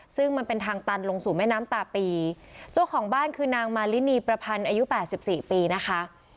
ซึ่งมันเป็นทางตันลงสู่แม่น้ำตาปีเจ้าของบ้านคือนางมารินีประพันธ์อายุแปดสิบสี่ปีนะคะ